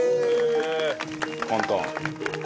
簡単。